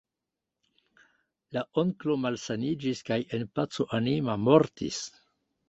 La onklo malsaniĝis kaj en paco anima mortis.